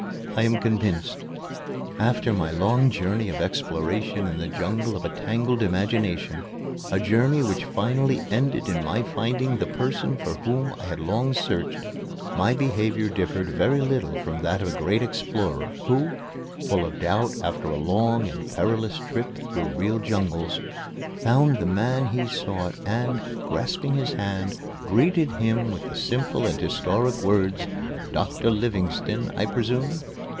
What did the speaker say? I am convinced." After my long journey of exploration in the jungle of a tangled imagination, a journey which finally ended in my finding the person for whom I had long searched, my behavior differed very little from that of a great explorer who, full of doubt after a long and perilous trip through real jungles, found the man he sought and, grasping his hand, greeted him with the simple and historic words, "Dr. Livingstone, I presume?"